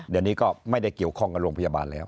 เดี๋ยวนี้ก็ไม่ได้เกี่ยวข้องกับโรงพยาบาลแล้ว